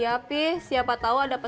bapak be kalau mau sarapan